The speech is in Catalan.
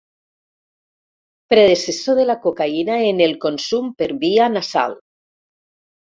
Predecessor de la cocaïna en el consum per via nasal.